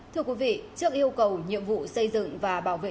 thưa quý vị trước yêu cầu nhiệm vụ xây dựng và bảo vệ